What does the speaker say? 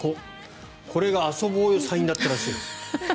これが遊ぼうよサインだったらしいです。